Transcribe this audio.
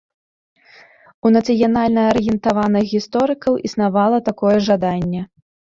У нацыянальна-арыентаваных гісторыкаў існавала такое жаданне.